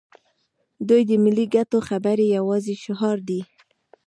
دوی د ملي ګټو خبرې یوازې شعار دي.